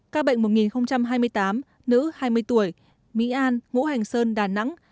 các bệnh một hai mươi tám nữ hai mươi tuổi mỹ an ngũ hành sơn đà nẵng